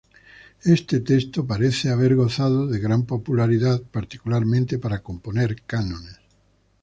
Este texto parece haber gozado de gran popularidad, particularmente para componer cánones.